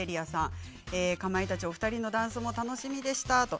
かまいたちお二人のダンスも楽しみでした。